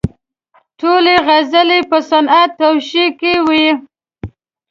ټولې غزلې یې په صنعت توشیح کې وې.